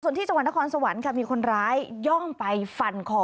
ส่วนที่จังหวัดนครสวรรค์ค่ะมีคนร้ายย่องไปฟันคอ